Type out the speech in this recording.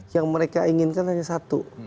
yang mereka inginkan hanya satu